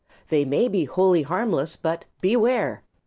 They may be wholly harmless but Beware!